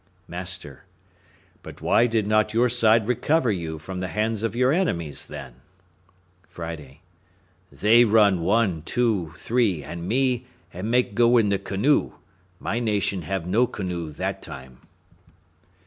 Master.—But why did not your side recover you from the hands of your enemies, then? Friday.—They run, one, two, three, and me, and make go in the canoe; my nation have no canoe that time.